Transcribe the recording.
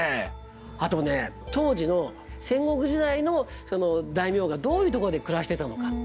あとね当時の戦国時代のその大名がどういうところで暮らしてたのか。